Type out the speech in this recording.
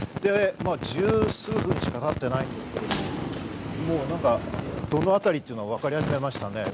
十数分しかたってないんですが、もうどのあたりからというのが分かり始めましたね。